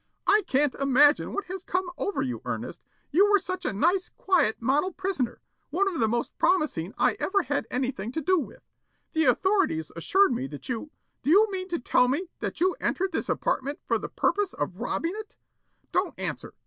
"I can't imagine what has come over you, Ernest. You were such a nice, quiet, model prisoner, one of the most promising I ever had anything to do with. The authorities assured me that you do you mean to tell me that you entered this apartment for the purpose of robbing it? Don't answer!